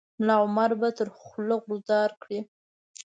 ملا عمر به تر خوله غورځار کړي.